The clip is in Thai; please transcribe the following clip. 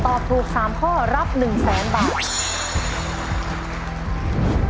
ตอบถูก๓ข้อรับ๑๐๐๐๐๐บาท